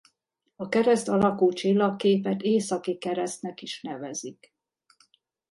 A kereszt alakú csillagképet Északi Kereszt-nek is nevezik.